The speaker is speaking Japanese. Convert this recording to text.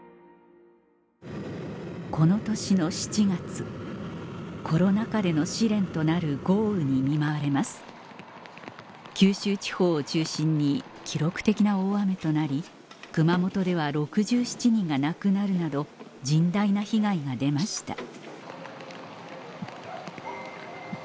この年の７月コロナ禍での試練となる豪雨に見舞われます九州地方を中心に記録的な大雨となり熊本では６７人が亡くなるなど甚大な被害が出ました